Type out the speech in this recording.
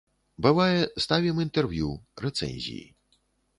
Бывае, ставім інтэрв'ю, рэцэнзіі.